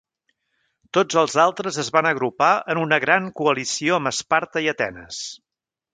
Tots els altres es van agrupar en una gran coalició amb Esparta i Atenes.